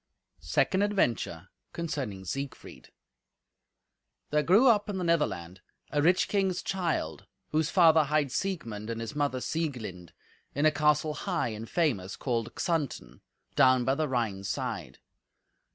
Second Adventure Concerning Siegfried There grew up in the Netherland a rich king's child, whose father hight Siegmund and his mother Sieglind, in a castle high and famous called Xanten, down by the Rhine's side.